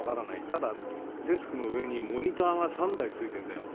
ただ、デスクの上にモニターが３台ついてんだよ。